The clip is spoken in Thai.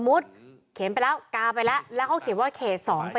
สมมติเขียนกินไปแล้วกลาไปแล้วเขาเขียนว่าเขตสองค่ะ